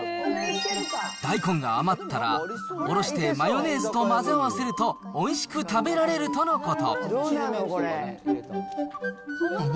大根が余ったら、おろしてマヨネーズと混ぜ合わせると、おいしく食べられるとのこと。